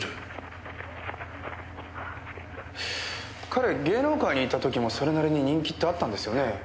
彼芸能界にいた時もそれなりに人気ってあったんですよね？